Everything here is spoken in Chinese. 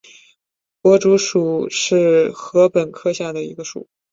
薄竹属是禾本科下的一个属。